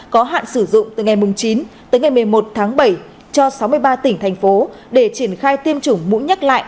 có hạn sử dụng từ ngày chín một mươi một bảy cho sáu mươi ba tỉnh thành phố để triển khai tiêm chủng mũi nhắc lại